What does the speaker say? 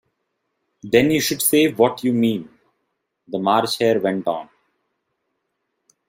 ‘Then you should say what you mean,’ the March Hare went on.